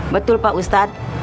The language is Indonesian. betul pak ustadz